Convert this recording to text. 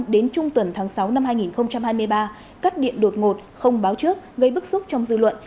đến trung tuần tháng sáu năm hai nghìn hai mươi ba cắt điện đột ngột không báo trước gây bức xúc trong dư luận